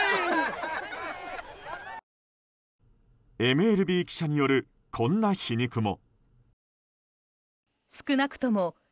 ＭＬＢ記者によるこんな皮肉も。